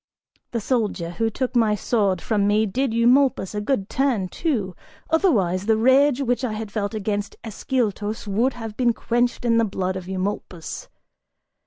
The soldier who took my sword from me did Eumolpus a good turn, too; otherwise, the rage which I had felt against Ascyltos would have been quenched in the blood of Eumolpus.